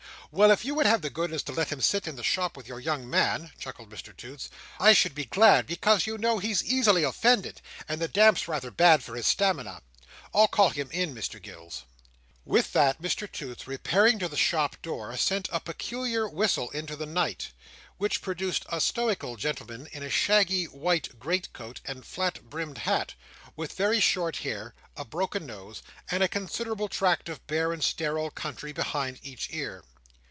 "Well, if you would have the goodness to let him sit in the shop with your young man," chuckled Mr Toots, "I should be glad; because, you know, he's easily offended, and the damp's rather bad for his stamina. I'll call him in, Mr Gills." With that, Mr Toots repairing to the shop door, sent a peculiar whistle into the night, which produced a stoical gentleman in a shaggy white great coat and a flat brimmed hat, with very short hair, a broken nose, and a considerable tract of bare and sterile country behind each ear.